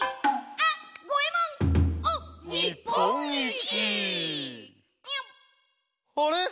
「あれ！